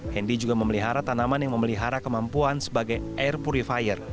hendy juga memelihara tanaman yang memelihara kemampuan sebagai air purifier